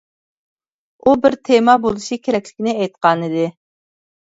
ئۇ بىر تېما بولۇشى كېرەكلىكىنى ئېيتقانىدى.